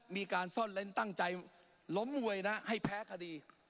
มีการซ่อนเล้นตั้งใจล้มมวยนะให้แพ้คดี